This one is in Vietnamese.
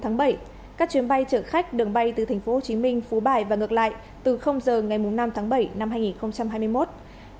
theo đó cục hàng không việt nam đề xuất bộ giao thông vận tải tạm dừng khai thác các chuyến bay chở khách đường bay tp hcm chu lai và ngược lại từ giờ ngày bốn tháng bảy